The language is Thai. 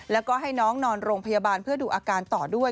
แล้วก็ให้น้องนอนโรงพยาบาลเพื่อดูอาการต่อด้วย